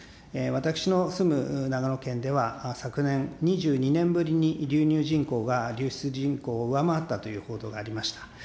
私の住む長野県では、昨年、２２年ぶりに流入人口が流出人口を上回ったという報道がありました。